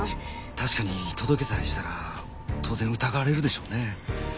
確かに届けたりしたら当然疑われるでしょうね。